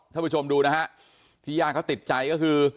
ท่านผู้ชมดูนะฮะที่ญาติเขาติดใจก็คือ